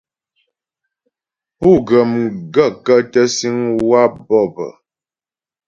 Pú ghə́ m gaə̂kə́ tə síŋ waə̂ bɔ̂p ?